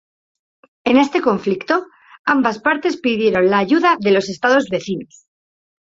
En este conflicto, ambas partes pidieron la ayuda de los estados vecinos.